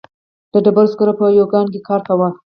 د ډبرو سکرو په یوه کان کې کار کاوه.